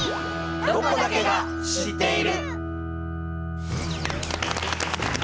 「ロコだけが知っている」。